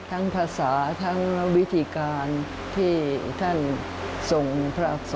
ทั้งภาษาทั้งวิธีการที่ท่านทรงพระอักษร